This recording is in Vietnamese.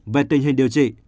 về tình hình điều trị